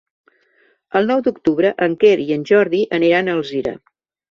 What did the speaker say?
El nou d'octubre en Quer i en Jordi aniran a Alzira.